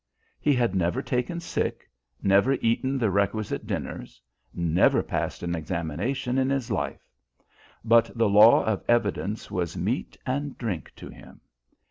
He had never taken sick, never eaten the requisite dinners, never passed an examination in his life; but the law of evidence was meat and drink to him.